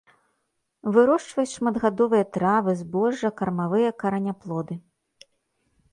Вырошчваюць шматгадовыя травы, збожжа, кармавыя караняплоды.